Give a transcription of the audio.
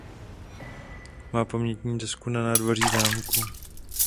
Má pamětní desku na nádvoří zámku.